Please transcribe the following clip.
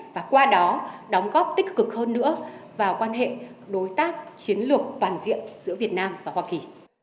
và qua đó đóng góp tích cực hơn nữa vào quan hệ đối tác chiến lược toàn diện giữa việt nam và hoa kỳ